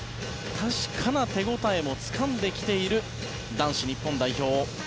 確かな手応えもつかんできている男子日本代表。